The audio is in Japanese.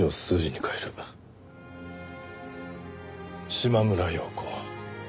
島村洋子